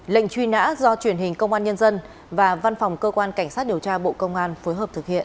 lệnh truy nã do truyền hình công an nhân dân và văn phòng cơ quan cảnh sát điều tra bộ công an phối hợp thực hiện